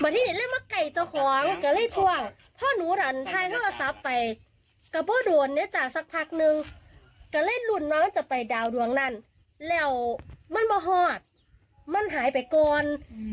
ต้องไปดาวดวงนั้นแล้วมันมะฮอดมันหายไปก่อน